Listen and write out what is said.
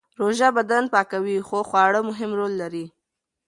روژه بدن پاکوي خو خواړه مهم رول لري.